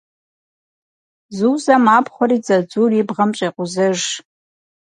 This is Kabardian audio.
Зузэ мапхъуэри дзадзур и бгъэм щӏекъузэж.